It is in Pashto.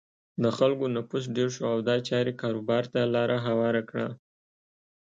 د خلکو نفوس ډېر شو او دا چارې کاروبار ته لاره هواره کړه.